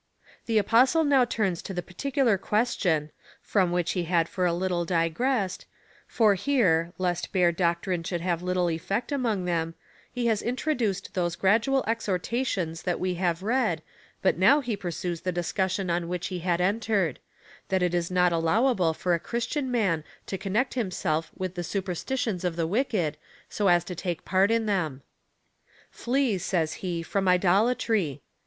The Apostle now returns to the particular question, from which he had for a little digressed, for, lest bare doctrine should have little effect among them, he has introduced those general exhorta tions that we have read, but now he pursues the discussion on which he had entered — that it is not allowable for a Christian man to connect himself with the superstitions of the wicked, so as to take part in them. Flee, says he, from idolatrr